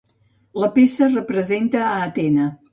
La peça representa a Atena.